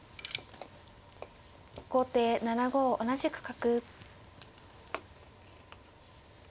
後手７五同じく角。